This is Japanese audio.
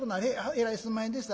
えらいすいまへんでした。